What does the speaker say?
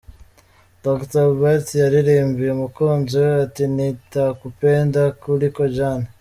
Dr Albert yaririmbiye umukunzi we ati "Nitakupenda kuliko jana".